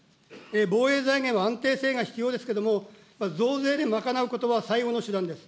防衛財源は安定性が必要ですけども、増税で賄うことは最後の手段です。